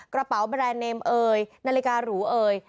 กระเป๋าแบรนด์เนมเอยนาฬิการูเอย